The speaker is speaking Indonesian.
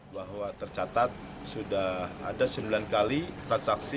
bahwa tercatat sudah ada sembilan kali transaksi